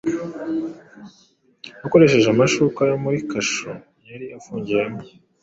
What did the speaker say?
akoresheje amashuka yo muri kasho yari afungiyemo